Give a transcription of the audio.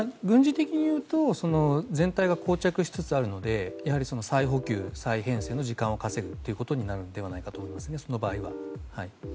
軍事的にいうと全体が膠着しつつあるので再補給、再編成の時間を稼ぐということになるのではないかと思います、その場合は。